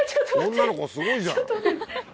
女の子すごいじゃん。